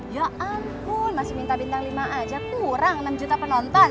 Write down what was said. ya ampun masih minta bintang lima aja kurang enam juta penonton